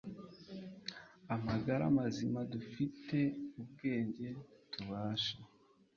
amagara mazima dufite ubwenge tubasha